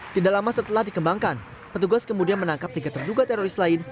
tidak lama setelah dikembangkan petugas kemudian menangkap tiga terduga teroris lain